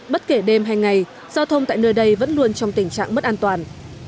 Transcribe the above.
bất kể đêm hay ngày giao thông tại nơi đây vẫn luôn trong tình trạng mất an toàn